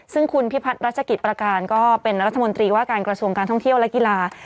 ซึ่งคุณพิพัฒน์รัชกิจประการก็เป็นรัฐมนตรีว่าการกระทรวงการท่องเที่ยวและกีฬา